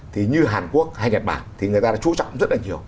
thì như hàn quốc hay nhật bản thì người ta đã trú trọng rất là nhiều